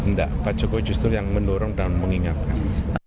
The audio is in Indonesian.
enggak pak jokowi justru yang mendorong dan mengingatkan